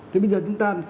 thì bây giờ chúng ta